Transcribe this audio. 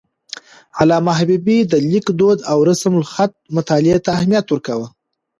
علامه حبيبي د لیک دود او رسم الخط مطالعې ته اهمیت ورکاوه.